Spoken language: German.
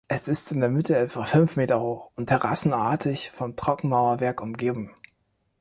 Es ist in der Mitte etwa fünf Meter hoch und terrassenartig von Trockenmauerwerk umgeben.